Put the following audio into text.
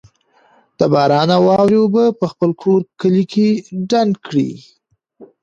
د باران او واورې اوبه په خپل کور، کلي کي ډنډ کړئ